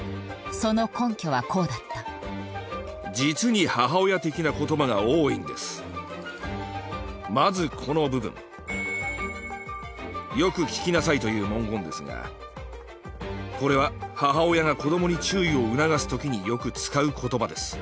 その根拠はこうだった「よく聞きなさい」という文言ですがこれは母親が子どもに注意を促す時によく使う言葉です